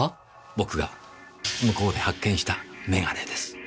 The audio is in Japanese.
僕が向こうで発見した眼鏡です。